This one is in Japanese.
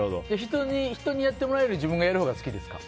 人にやってもらうより自分がやるほうが好きですか？